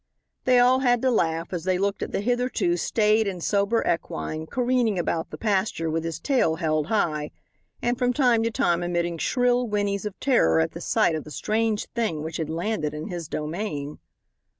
They all had to laugh as they looked at the hitherto staid and sober equine careening about the pasture with his tail held high, and from time to time emitting shrill whinnies of terror at the sight of the strange thing which had landed in his domain.